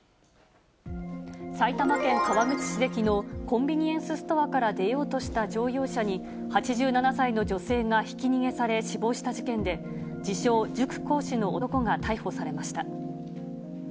埼玉県川口市できのう、コンビニエンスストアから出ようとした乗用車に、８７歳の女性がひき逃げされ死亡した事件で、自称、塾講師の男が逮捕されました。